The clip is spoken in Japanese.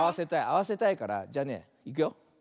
あわせたいからじゃあねいくよ。